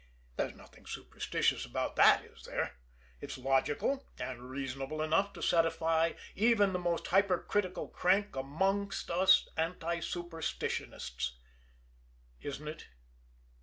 There's nothing superstitious about that, is there? It's logical and reasonable enough to satisfy even the most hypercritical crank amongst us anti superstitionists isn't it?